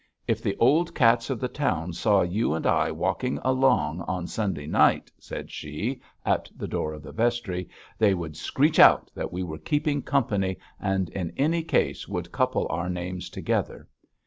'If the old cats of the town saw you and I walking along on Sunday night,' said she, at the door of the vestry, 'they would screech out that we were keeping company, and in any case would couple our names together.